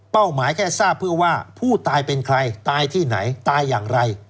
หมายแค่ทราบเพื่อว่าผู้ตายเป็นใครตายที่ไหนตายอย่างไร